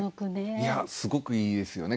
いやすごくいいですよね。